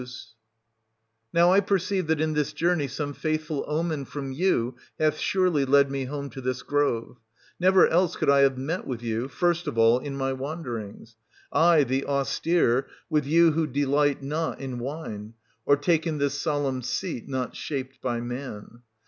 6s Now I perceive that in this journey some faithful omen from you hath surely led me home to this grove : never else could I have met with you, first of all, in my wanderings, — I, the austere, with you who delight not in wine, — or taken this solemn seat not shaped by man.